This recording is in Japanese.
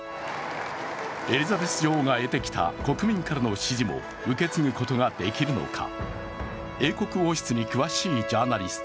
エリザベス女王が得てきた国民からの支持も受け継ぐことができるのか。